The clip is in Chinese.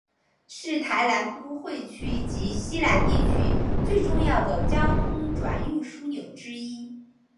是台南都会区及溪南地区最重要的交通转运枢纽之一。